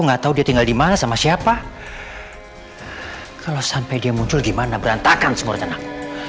nggak tahu dia tinggal di mana sama siapa kalau sampai dia muncul gimana berantakan semua tenang